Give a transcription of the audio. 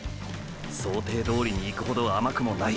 想定どおりにいくほど甘くもない。